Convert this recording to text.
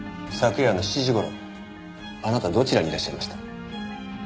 昨夜の７時頃あなたどちらにいらっしゃいました？